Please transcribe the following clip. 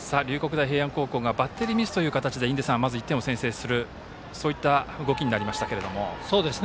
大平安高校がバッテリーミスという形で印出さん、まず１点を先制する動きになりましたけど。